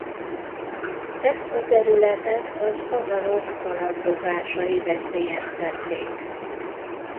Ezt a területet az avarok kalandozásai veszélyeztették.